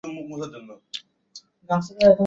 প্রত্যেক দেশেই এই সংগ্রাম চলিয়াছে, এবং এখনও চলিতেছে।